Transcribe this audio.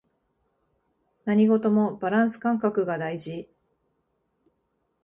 何事もバランス感覚が大事